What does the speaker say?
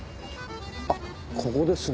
あっここですね。